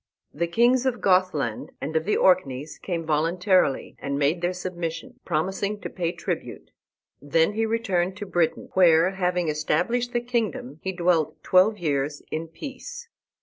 The kings of Gothland and of the Orkneys came voluntarily and made their submission, promising to pay tribute. Then he returned to Britain, where, having established the kingdom, he dwelt twelve years in peace.